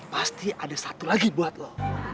pasti ada satu lagi buat lo